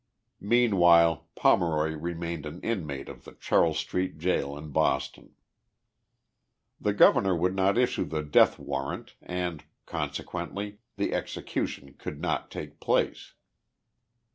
Meanwhile Pomeroy remained an inmate of the Charles Street jail in Boston. The Governor would not issue the death warrant, and, consequently, the execution could not take place.